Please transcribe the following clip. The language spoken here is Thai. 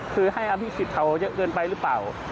คือให้อภิษฎเขาเยอะเกินไปหรือเปล่า